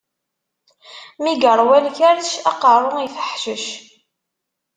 Mi iṛwa lkerc, aqeṛṛu ifeḥcec.